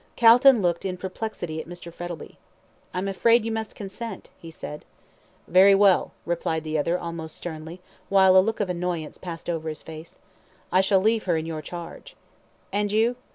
Calton looked in perplexity at Mr. Frettlby. "I'm afraid you must consent," he said. "Very well," replied the other, almost sternly, while a look of annoyance passed over his face. "I shall leave her in your charge." "And you?"